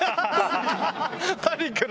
パニックの？